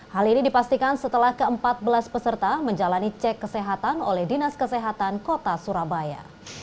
hal ini dipastikan setelah ke empat belas peserta menjalani cek kesehatan oleh dinas kesehatan kota surabaya